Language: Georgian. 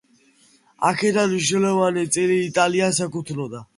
აქედან მნიშვნელოვანი წილი იტალიას ეკუთვნოდა.